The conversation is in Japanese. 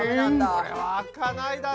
これは開かないだろ。